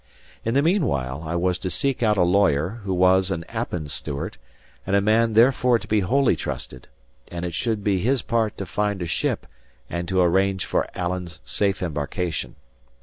In the meanwhile, I was to seek out a lawyer, who was an Appin Stewart, and a man therefore to be wholly trusted; and it should be his part to find a ship and to arrange for Alan's safe embarkation.